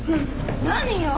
何よ。